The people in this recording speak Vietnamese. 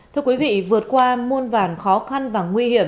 thưa quý vị vượt qua muôn vàn khó khăn